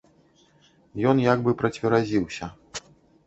Ён як бы працверазіўся.